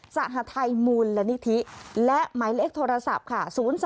สหทัยมูลนิธิและหมายเลขโทรศัพท์ค่ะ